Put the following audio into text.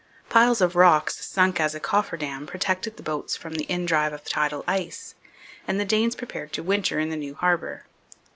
Piles of rocks sunk as a coffer dam protected the boats from the indrive of tidal ice; and the Danes prepared to winter in the new harbour.